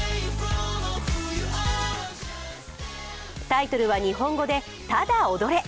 タイトルは日本語で、ただ踊れ。